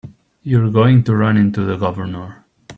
You're going to run into the Governor.